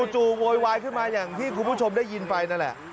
โวยวายขึ้นมาอย่างที่คุณผู้ชมได้ยินไปนั่นแหละ